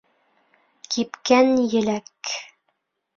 Кипкән еләк.